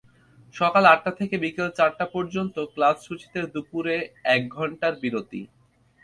সকাল আটটা থেকে বিকেল চারটা পর্যন্ত ক্লাস সূচিতে দুপুরে একঘণ্টার বিরতি।